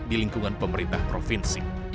di lingkungan pemerintah provinsi